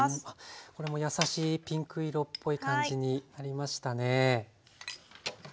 これも優しいピンク色っぽい感じになりましたね。